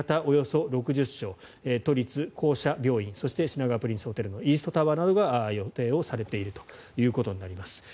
およそ６０床都立・公社病院そして品川プリンスホテルのイーストタワーなどが予定されているということになります。